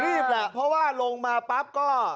แหละเพราะว่าลงมาปั๊บก็